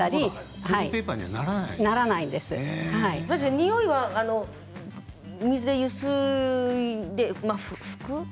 においは水でゆすいで拭く？